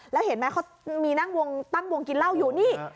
และเห็นไหมเขาตั้งวงกินล่าวอยู่